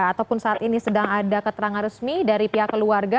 ataupun saat ini sedang ada keterangan resmi dari pihak keluarga